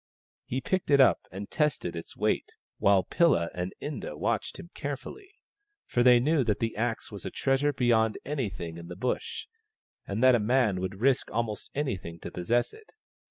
He picked it up and tested its weight, while PiUa and Inda watched him carefully, for they knew that the axe was a treasure beyond anything in the Bush, and that a man would risk almost anything to possess it.